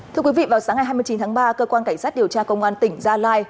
thưa quý vị vào sáng ngày hai mươi chín tháng ba cơ quan cảnh sát điều tra công an tỉnh gia lai